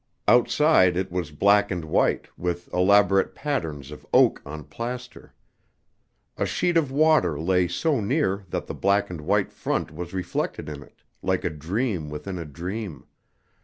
Outside it was black and white, with elaborate patterns of oak on plaster. A sheet of water lay so near that the black and white front was reflected in it, like a dream within a dream.